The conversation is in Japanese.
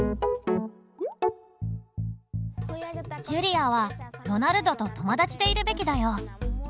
ジュリアはロナルドと友だちでいるべきだよ。